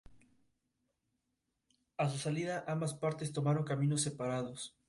A su salida, ambas partes tomaron caminos separados.